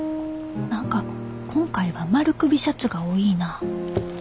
何か今回は丸首シャツが多いなあ。